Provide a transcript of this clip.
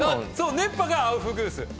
熱波がアウフグース。